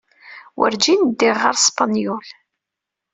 Werǧin ddiɣ ɣer Spenyul.